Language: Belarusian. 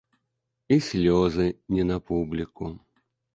І слёзы не на публіку.